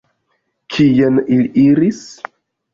Kien ili iris?